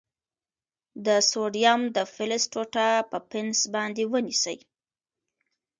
د سوډیم د فلز ټوټه په پنس باندې ونیسئ.